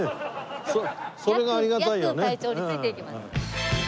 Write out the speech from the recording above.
それがありがたいよね。